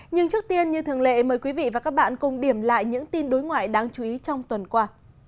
nhưng trước tiên như thường lệ mời quý vị và các bạn cùng điểm lại những tin đối ngoại đáng chú ý trong tuần qua